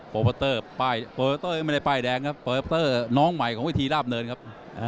โปรเบอร์เตอร์เปล่ายแดงครับโปรเบอร์เตอร์น้องใหม่ของวิธีราบเนินครับ